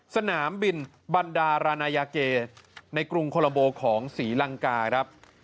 สนามบินบรรดารานายาเกในกรุงโคลัมโบของศรีลังกาครับ